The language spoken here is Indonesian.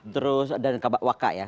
terus dan waka ya